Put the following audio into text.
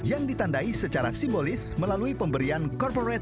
yang ditandai secara simbolis melalui pemberian corporate